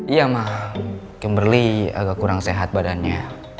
iya mah kimberly agak kurang sehat badannya